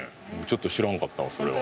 ちょっと知らんかったわそれは。